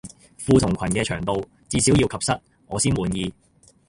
褲同裙嘅長度至少要及膝我先滿意